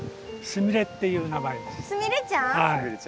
すみれっていう名前です。